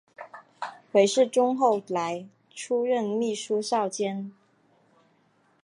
韦士宗后来出任秘书少监。